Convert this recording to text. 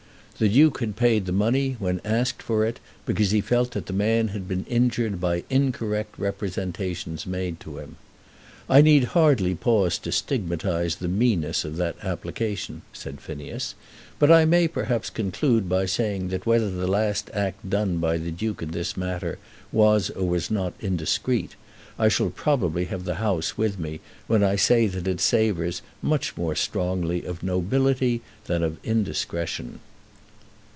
The Duke had paid the money, when asked for it, because he felt that the man had been injured by incorrect representations made to him. "I need hardly pause to stigmatise the meanness of that application," said Phineas, "but I may perhaps conclude by saying that whether the last act done by the Duke in this matter was or was not indiscreet, I shall probably have the House with me when I say that it savours much more strongly of nobility than of indiscretion."